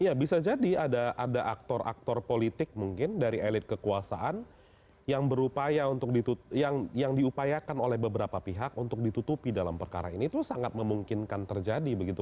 iya bisa jadi ada aktor aktor politik mungkin dari elit kekuasaan yang berupaya untuk yang diupayakan oleh beberapa pihak untuk ditutupi dalam perkara ini itu sangat memungkinkan terjadi begitu